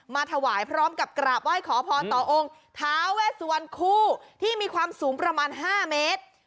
มาถวายพร้อมกับกราบไหว้ขอพรต่อองค์ท้าเวสวันคู่ที่มีความสูงประมาณ๕เมตร